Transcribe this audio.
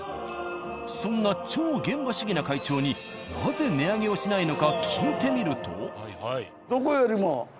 そんな超現場主義な会長になぜ値上げをしないのか聞いてみると。